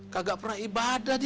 kagak pernah ibadah dia